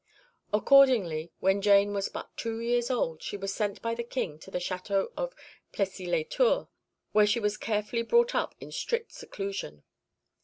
Accordingly when Jane was but two years old she was sent by the King to the Château of Plessis lès Tours, where she was carefully brought up in strict seclusion.